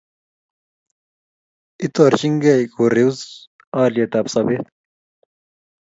itorchingei koreu olyetab sobeet